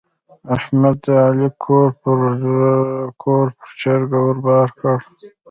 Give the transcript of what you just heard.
احمد د علي کور پر چرګه ور بار کړ.